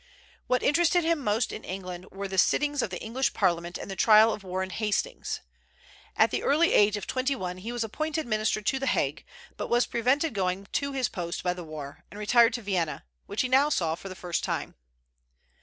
What interested him most in England were the sittings of the English Parliament and the trial of Warren Hastings. At the early age of twenty one he was appointed minister to the Hague, but was prevented going to his post by the war, and retired to Vienna, which he now saw for the first time.